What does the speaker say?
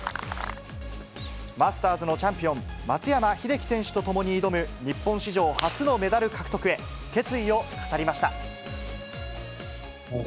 マスターズのチャンピオン、松山英樹選手と共に挑む、日本史上初のメダル獲得へ、決意を語りました。